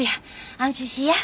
安心しいや。